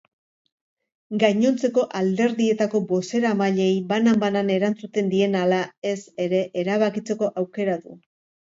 Gainontzeko alderdietako bozeramaileei banan-banan erantzuten dien ala ez ere erabakitzeko aukera du.